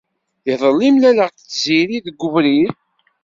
Iḍelli mlaleɣ-d Tiziri deg webrid.